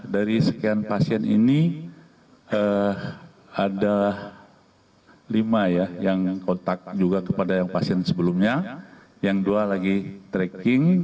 dari sekian pasien ini ada lima ya yang kontak juga kepada yang pasien sebelumnya yang dua lagi tracking